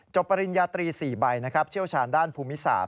จบปริญญาตรี๔ใบเชี่ยวชาญด้านภูมิศาสตร์